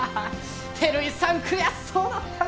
照井さん悔しそうだったな。